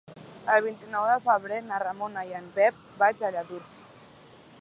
El vint-i-nou de febrer na Ramona i en Pep vaig a Lladurs.